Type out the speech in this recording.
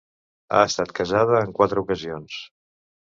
Ha estat casada en quatre ocasions.